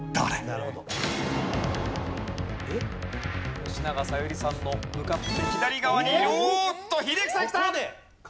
吉永小百合さんの向かって左側にいるおっと英樹さんきた！